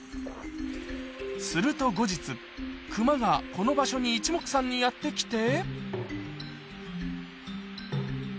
すると後日、クマがこの場所にいちもくさんにやって来て。